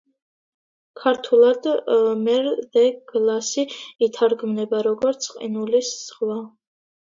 ქართულად მერ-დე-გლასი ითარგმნება როგორც „ყინულის ზღვა“.